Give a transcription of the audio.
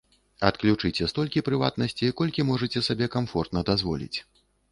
Адключыце столькі прыватнасці, колькі можаце сабе камфортна дазволіць.